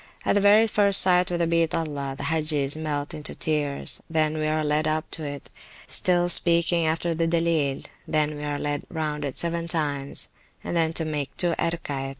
At the very first sight of the Beat Allah, the Hagges melt into tears, then we are led up to it, still speaking after the Dilleel; then we are led round it seven times, and then make two Erkaets.